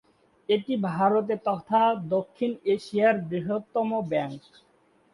এটি ভারতের তথা দক্ষিণ এশিয়ার বৃহত্তম ব্যাঙ্ক।